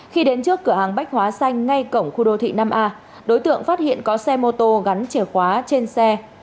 khi đến trước cửa hàng bách hóa xanh ngay cổng khu đô thị năm a đối tượng phát hiện có xe mô tô gắn chìa khóa trên xe